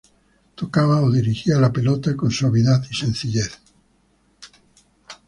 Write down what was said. Tocaba o dirigía la pelota con suavidad y sencillez.